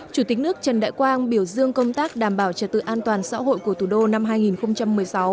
chủ tịch nước trần đại quang biểu dương công tác đảm bảo trật tự an toàn xã hội của thủ đô năm hai nghìn một mươi sáu